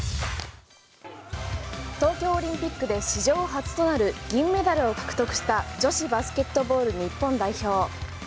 東京オリンピックで史上初となる銀メダルを獲得した女子バスケットボール日本代表。